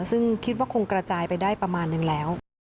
ซึ่งคิดว่าคงกระจายไปได้ประมาณนึงแล้ว